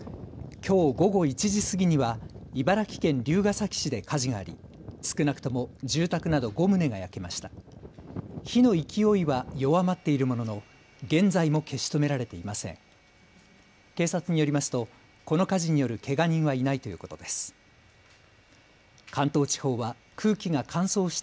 きょう午後１時過ぎには茨城県龍ケ崎市で火事があり少なくとも住宅など５棟が焼けました。